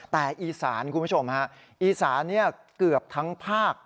แต่อีสานคุณผู้ชมฮะอีสานเกือบทั้งภาค